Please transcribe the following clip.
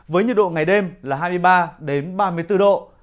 với nhiệt độ ngày đêm là hai mươi ba ba mươi bốn độ